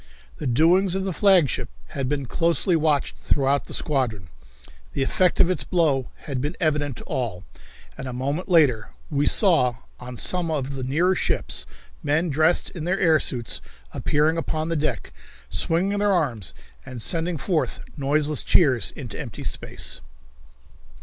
The doings of the flagship had been closely watched throughout the squadron. The effect of its blow had been evident to all, and a moment later we saw, on some of the nearer ships, men dressed in their air suits, appearing upon the deck, swinging their arms and sending forth noiseless cheers into empty space.